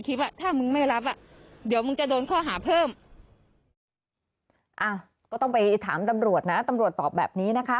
ก็ต้องไปถามตำรวจนะตำรวจตอบแบบนี้นะคะ